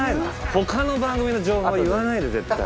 他の番組の情報言わないで絶対。